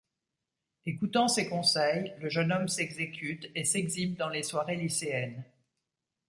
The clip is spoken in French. Écoutant ces conseils, le jeune homme s'exécute et s'exhibe dans les soirées lycéennes.